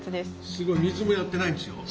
すごい！水もやってないんでしょ？